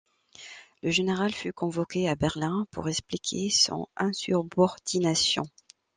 Le général fut convoqué à Berlin pour expliquer son insurbordinnation.